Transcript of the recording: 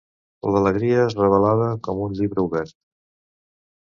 L'alegria es revelava com un llibre obert.